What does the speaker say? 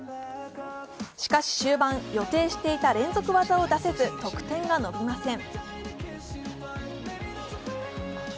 しかし終盤、予定していた連続技を出せず、得点が伸びません。